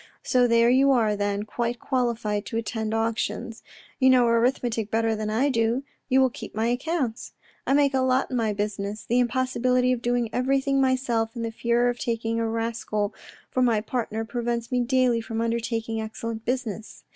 So there you are then, quite qualified to attend auctions. You know arithmetic better than I do ; you will keep my accounts ; I make a lot in my business. The impossibility of doing everything myself, and the fear of taking a rascal for my partner prevents me daily from undertaking excellent business.